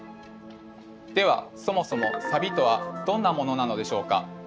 ではそもそもサビとはどんなものなのでしょうか？